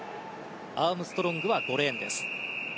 アームストロングは５レーンです。